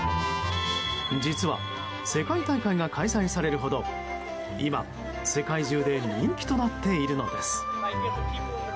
実は世界大会が開催されるほど今、世界中で人気となっているのです。